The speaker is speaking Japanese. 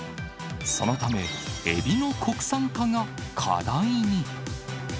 そのため、エビの国産化が課題に。